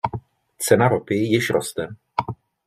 Cena ropy již roste.